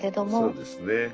そうですね。